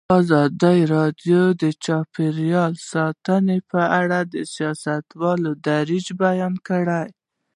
ازادي راډیو د چاپیریال ساتنه په اړه د سیاستوالو دریځ بیان کړی.